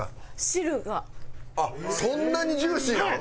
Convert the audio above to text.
あっそんなにジューシーなん？